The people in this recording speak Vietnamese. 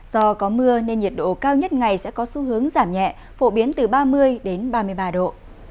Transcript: do có mưa nên nhiệt độ cao nhất ngày sẽ có xu hướng giảm nhẹ phổ biến từ ba mươi đến ba mươi ba độ